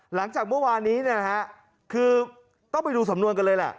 หลังจากเมื่อวานนี้คือต้องไปดูสำนวนกันเลยแหละ